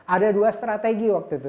ada dua strategi waktu itu